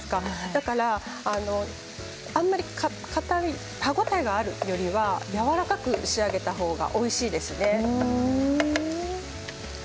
だから、あんまり歯応えがあるよりはやわらかく仕上げた方がおいしいですね。